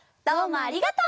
ありがとう！